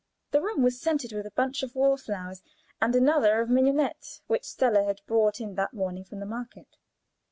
The room was scented with a bunch of wall flowers and another of mignonette, which Stella had brought in that morning from the market.